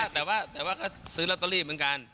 แต่ว่าเขาซื้อลัตโตรีเหมือนกัน